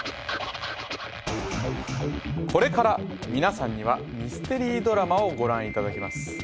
これから皆さんにはミステリードラマをご覧いただきます。